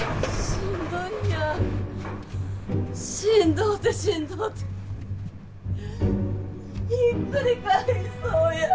しんどうてしんどうてひっくり返りそうや。